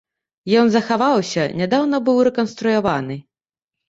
Ён захаваўся, нядаўна быў рэканструяваны.